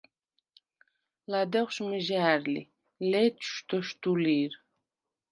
ლადეღშუ̂ მჷჟა̄̈რ ლი, ლე̄თშუ̂ – დოშდუ̂ლი̄რ.